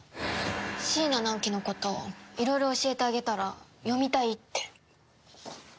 椎名ナオキのこといろいろ教えてあげたら読みたいって。